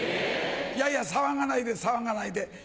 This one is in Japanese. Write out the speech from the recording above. いやいや騒がないで騒がないで。